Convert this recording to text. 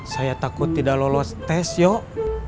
saya takut tidak lolos tes yuk